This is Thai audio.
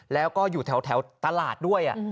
แล้วก็อยู่แถวตลาดด้วย